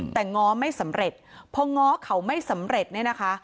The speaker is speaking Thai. แต่ง้อไม่สำเร็จพอง้อเขาไม่สำเร็จเนี่ยนะคะ